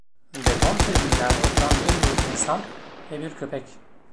Beton tribünlerde oturan bir grup insan ve bir köpek.